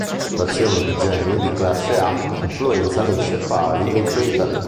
Mutazioni di geni di classe A influenzano i sepali e i petali.